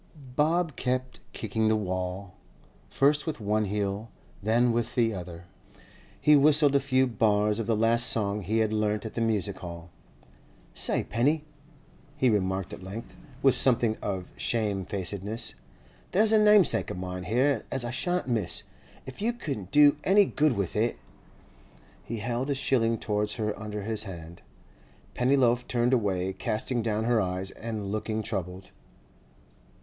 Bob kept kicking the wall, first with one heel, then with the other. He whistled a few bars of the last song he had learnt at the music hall. 'Say, Penny,' he remarked at length, with something of shamefacedness, 'there's a namesake of mine here as I shan't miss, if you can do any good with it.' He held a shilling towards her under his hand. Pennyloaf turned away, casting down her eyes and looking troubled.